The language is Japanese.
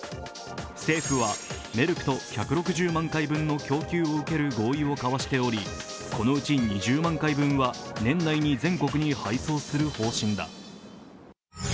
政府はメルクと１６０万回分の供給を受ける契約をしており、このうち２０万回分は年内に全国に配送する方針だ。